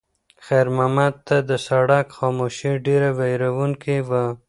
خیر محمد ته د سړک خاموشي ډېره وېروونکې وه.